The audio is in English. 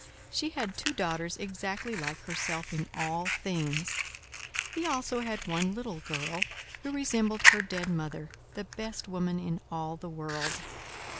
She had two daughters exactly like herself in all things. He also had one little girl, who resembled her dead mother, the best woman in all the world.